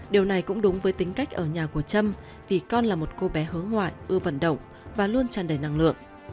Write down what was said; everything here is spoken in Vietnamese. điều này cũng đúng với tính cách ở nhà của trâm vì con là một cô bé hướng ngoại ưa vận động và luôn tràn đầy năng lượng